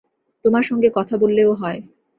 তোমার সঙ্গে কথা বললেও হয়।